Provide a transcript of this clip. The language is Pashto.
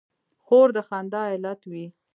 خور د خندا علت وي.